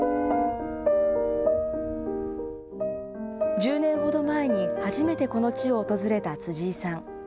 １０年ほど前に初めてこの地を訪れた辻井さん。